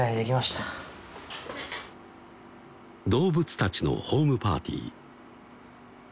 動物たちのホームパーティー